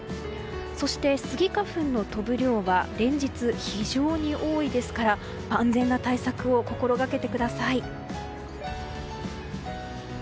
そして、スギ花粉の飛ぶ量は連日、非常に多いですから万全な対策を心掛けてください。